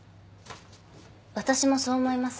私もそう思います。